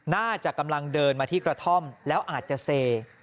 น่าจะกำลังเดินมาที่กระท่อมแล้วอาจจะเซ